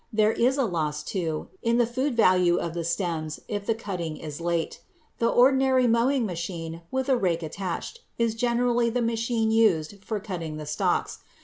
There is a loss, too, in the food value of the stems if the cutting is late. The ordinary mowing machine with a rake attached is generally the machine used for cutting the stalks.